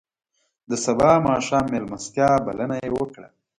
د سبا ماښام میلمستیا بلنه یې وکړه.